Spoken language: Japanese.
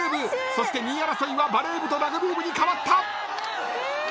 そして２位争いはバレー部とラグビー部にかわった！